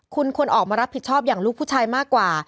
คุณควรออกมารับผิดชอบอย่างลูกผู้ชายมากกว่า